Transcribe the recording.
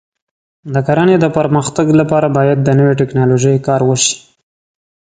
د کرنې د پرمختګ لپاره باید د نوې ټکنالوژۍ کار وشي.